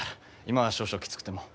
今は少々きつくても。